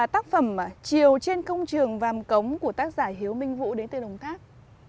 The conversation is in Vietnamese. tác phẩm chiều trên công trường vàm cống của tác giả hiếu minh vũ đến từ đồng tháp